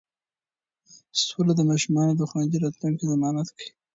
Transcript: سوله د ماشومانو د خوندي راتلونکي ضمانت کوي.